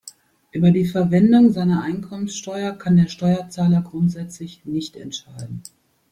Über die Verwendung "seiner" Einkommensteuer kann der Steuerzahler grundsätzlich nicht entscheiden.